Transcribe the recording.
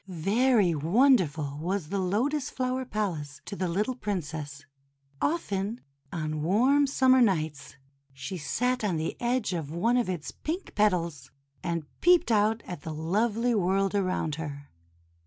Very wonderful was the Lotus Flower Palace to the little Princess! Often on warm summer nights she sat on the edge of one of its pink petals, and peeped out at the lovely world around her.